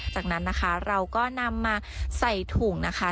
จากนั้นนะคะเราก็นำมาใส่ถุงนะคะ